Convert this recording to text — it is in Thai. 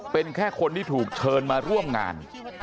เป็นแค่คนที่ถูกเชิญมาร่วมงาน